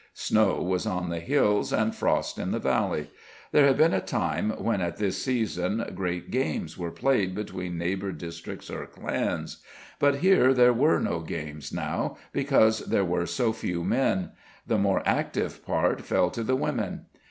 Snow was on the hills, and frost in the valley. There had been a time when at this season great games were played between neighbour districts or clans, but here there were no games now, because there were so few men; the more active part fell to the women.